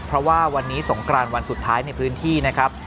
เพราะว่าวันนี้สงกรานวันสุดท้ายในพื้นที่นะครับ